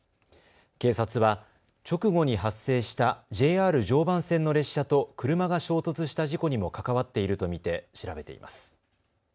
警察は直後に発生したＪＲ常磐線の列車と車が衝突した事故にも関わっていると見て調べています。